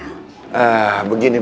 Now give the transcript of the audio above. nanti kita semua anterin haikal